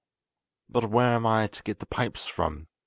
"But where am I to get the pipes from?"